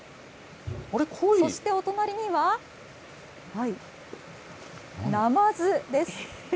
そしてお隣には、ナマズです。